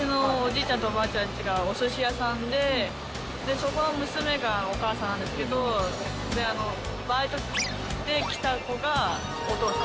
ちゃんとおばあちゃんちがおすし屋さんで、そこの娘がお母さんなんですけど、バイトで来た子が、お父さん。